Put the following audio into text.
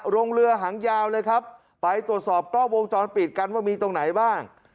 ลงเรือหางยาวเลยครับไปตรวจสอบกล้องวงจรปิดกันว่ามีตรงไหนบ้าง